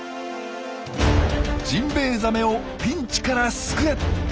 ジンベエザメをピンチから救え！